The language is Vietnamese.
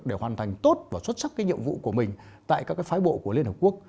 để hoàn thành tốt và xuất sắc nhiệm vụ của mình tại các phái bộ của liên hợp quốc